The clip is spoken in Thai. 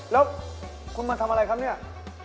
แล้วคุณมาทำอะไรครับเนี่ย